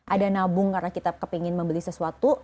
ada nabung karena kita kepingin membeli sesuatu